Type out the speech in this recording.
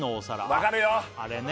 分かるよ